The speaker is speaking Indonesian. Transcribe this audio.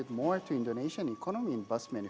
untuk ekonomi indonesia dalam pembuatan bus